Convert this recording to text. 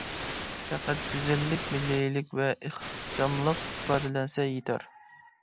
پەقەت گۈزەللىك، مىللىيلىك ۋە ئىخچاملىق ئىپادىلەنسە يېتەر.